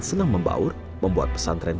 senang membaur membuat pesantren